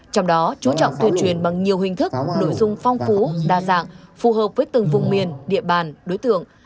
trong đó chú trọng tuyên truyền bằng nhiều hình thức nội dung phong phú đa dạng phù hợp với từng vùng miền địa bàn đối tượng